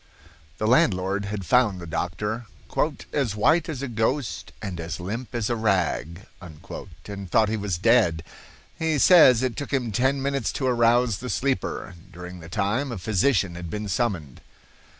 The landlord had found the doctor "as white as a ghost and as limp as a rag," and thought he was dead. He says it took him ten minutes to arouse the sleeper. During the time a physician had been summoned.